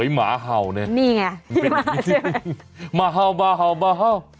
หมาเห่าหมาเห่าหมาเห่า